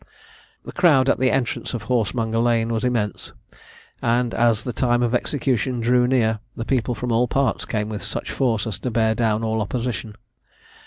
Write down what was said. The crowd at the entrance of Horsemonger lane was immense; and as the time of execution drew near, the people from all parts came with such force as to bear down all opposition.